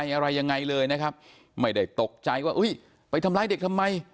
อะไรยังไงเลยนะครับไม่ได้ตกใจว่าอุ้ยไปทำร้ายเด็กทำไม